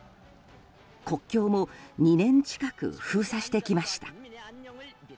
国境も２年近く封鎖してきました。